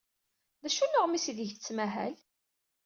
D acu n uɣmis aydeg tettmahal?